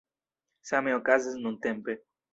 Same okazas nuntempe.